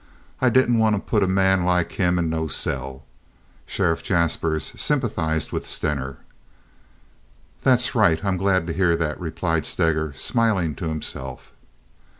I didn't want to put a man like him in no cell." Sheriff Jaspers sympathized with Stener. "That's right. I'm glad to hear that," replied Steger, smiling to himself.